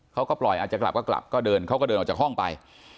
เขาก็ปล่อยอาจจะกลับก็กลับก็เดินเขาก็เดินออกจากห้องไป